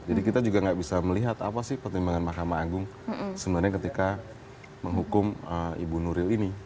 jadi kita juga tidak bisa melihat apa sih pertimbangan mahkamah agung sebenarnya ketika menghukum ibu nuril ini